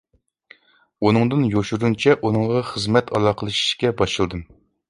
ئۇنىڭدىن يوشۇرۇنچە ئۇنىڭغا خىزمەت ئالاقىلىشىشكە باشلىدىم.